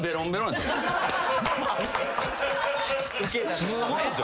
すごいんすよ。